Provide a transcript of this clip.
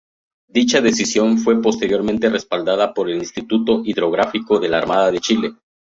Dicha decisión fue posteriormente respaldada por el Instituto Hidrográfico de la Armada de Chile.